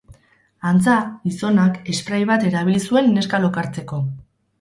Antza, gizonak esprai bat erabili zuen neska lokartzeko.